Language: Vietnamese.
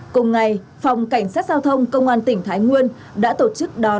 cùng ngày phòng cảnh sát giao thông công an tỉnh thái nguyên đã tổ chức đón